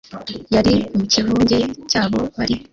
yari mu kivunge cy abo bari